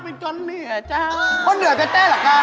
เพิ่งกำลังกันแล้วไอ้เจ้า